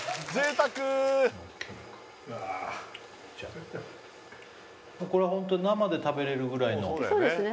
うわこれは生で食べれるぐらいのそうですね